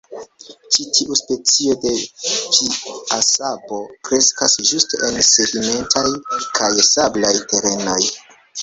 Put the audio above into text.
Ĉi tiu specio de piasabo kreskas ĝuste en sedimentaj kaj sablaj terenoj.